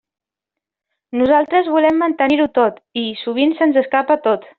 Nosaltres volem mantenir-ho tot, i sovint se'ns escapa tot.